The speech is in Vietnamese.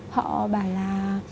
họ bảo là